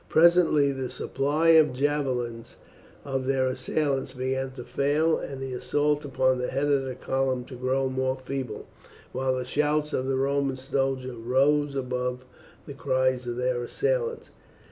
Presently the supply of javelins of their assailants began to fail, and the assaults upon the head of the column to grow more feeble, while the shouts of the Roman soldiers rose above the cries of their assailants.